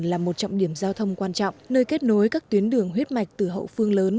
là một trọng điểm giao thông quan trọng nơi kết nối các tuyến đường huyết mạch từ hậu phương lớn